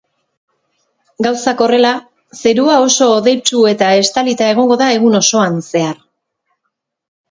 Gauzak horrela, zerua oso hodeitsu eta estalita egongo da egun osoan zehar.